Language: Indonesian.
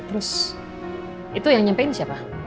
terus itu yang nyampein siapa